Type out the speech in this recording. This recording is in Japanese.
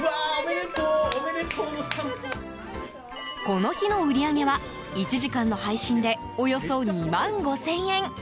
この日の売り上げは１時間の配信でおよそ２万５０００円。